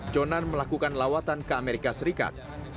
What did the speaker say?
jonan melakukan lawatan ke amerika serikat